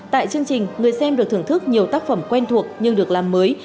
tại chương trình người xem được thưởng thức nhiều tác phẩm quen thuộc nhưng được làm mới